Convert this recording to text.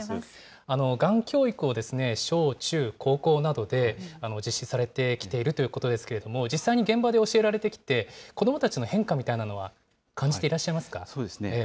がん教育を小中高校などで実施されてきているということですけれども、実際に現場で教えられてきて、子どもたちの変化みたいそうですね。